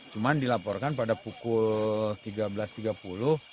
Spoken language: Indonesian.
cuma dilaporkan pada pukul tiga belas tiga puluh